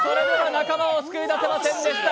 仲間を救い出せませんでした。